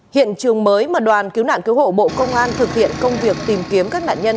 hiện trường mới mà đoàn cứu nạn cứu hộ bộ công an thực hiện công việc tìm kiếm các nạn nhân